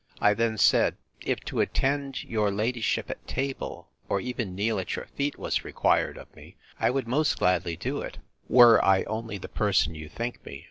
I then said, If to attend your ladyship at table, or even kneel at your feet, was required of me, I would most gladly do it, were I only the person you think me.